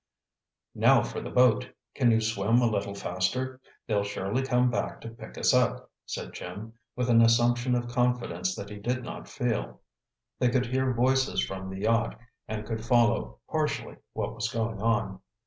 "Now for the boat. Can you swim a little faster? They'll surely come back to pick us up," said Jim, with an assumption of confidence that he did not feel. They could hear voices from the yacht, and could follow, partially, what was going on.